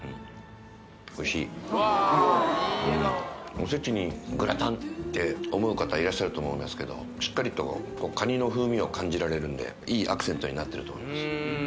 「おせちにグラタン？」って思う方いらっしゃると思いますけどしっかりとカニの風味を感じられるんでいいアクセントになってると思います